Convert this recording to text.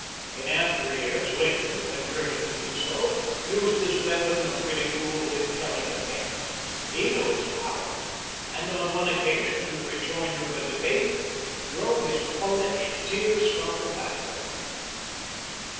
In after years Lincoln, when driven to do so, used this weapon of ridicule with telling effect. He knew its power, and on one occasion, in the rejoinder of a debate, drove his opponent in tears from the platform.